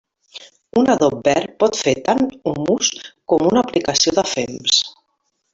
Un adob verd pot fer tant humus com una aplicació de fems.